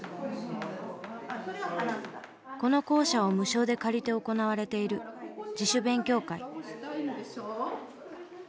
この校舎を無償で借りて行われている自主勉強会。